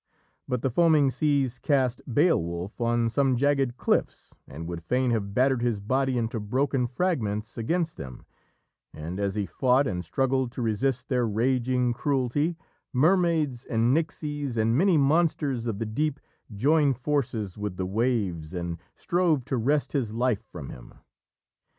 But the foaming seas cast Beowulf on some jagged cliffs, and would fain have battered his body into broken fragments against them, and as he fought and struggled to resist their raging cruelty, mermaids and nixies and many monsters of the deep joined forces with the waves and strove to wrest his life from him.